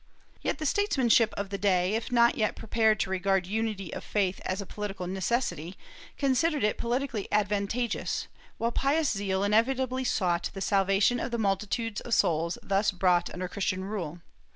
Yet the statesmanship of the day, if not yet prepared to regard unity of faith as a political necessity, considered it politically advantageous, while pious zeal inevitably sought the salvation of the multitudes of souls thus brought under Christian rule.